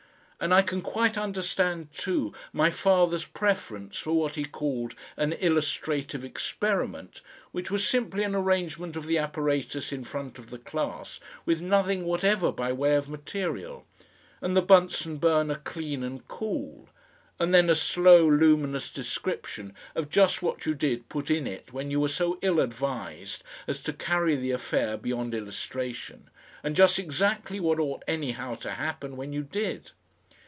And I can quite understand, too, my father's preference for what he called an illustrative experiment, which was simply an arrangement of the apparatus in front of the class with nothing whatever by way of material, and the Bunsen burner clean and cool, and then a slow luminous description of just what you did put in it when you were so ill advised as to carry the affair beyond illustration, and just exactly what ought anyhow to happen when you did.